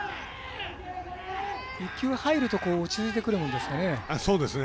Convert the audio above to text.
１球、入ると落ち着いてくるんですかね。